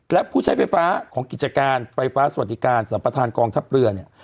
และผู้ใช้ไฟฟ้าของกิจการไฟฟ้าสวัสดิการสัมประธานกองทัพเรือเนี่ย